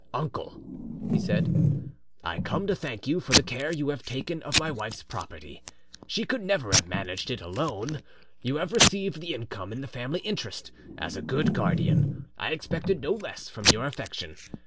"Uncle," he said, "I come to thank you for the care you have taken of my wife's property; she could never have managed it alone. You have received the income in the family interest: as a good guardian, I expected no less from your affection.